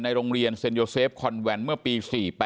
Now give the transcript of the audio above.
โรงเรียนเซ็นโยเซฟคอนแวนเมื่อปี๔๘